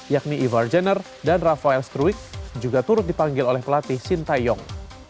yakni ivar jenner dan raphael struik juga turut dipanggil oleh pelatih shin taeyong